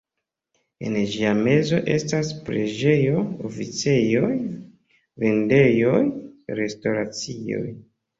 En ĝia mezo estas preĝejo, oficejoj, vendejoj, restoracioj.